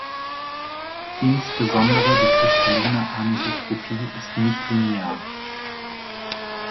Insbesondere die kristalline Anisotropie ist nichtlinear.